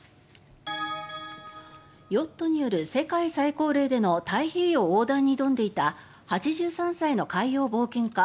ヨットによる世界最高齢での太平洋横断に挑んでいた８３歳の海洋冒険家